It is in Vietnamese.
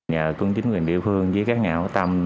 nhờ công chính quyền địa phương với các nhà hảo tâm